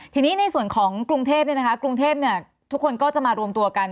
ทีนี้ในส่วนของกรุงเทพกรุงเทพทุกคนก็จะมารวมตัวกัน